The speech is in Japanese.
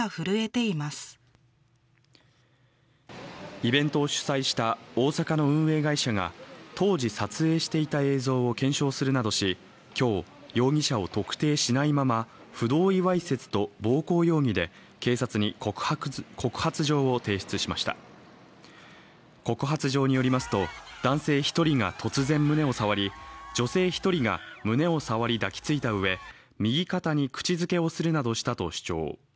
イベントを主催した大阪の運営会社が当時撮影していた映像を検証するなどし今日、容疑者を特定しないまま不同意容疑と暴行容疑で警察に告発状によりますと、男性１人が突然胸を触り女性１人が胸を触り抱きついたうえ右肩に口づけをするなどしたと主張。